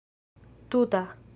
tuta